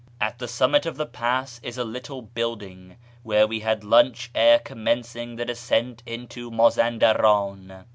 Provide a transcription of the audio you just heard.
At the summit of the pass is a little building where we had lunch ere commencing the descent into Mazandaran.